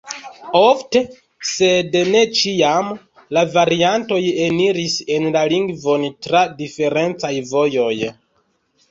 Ofte, sed ne ĉiam, la variantoj eniris en la lingvon tra diferencaj vojoj.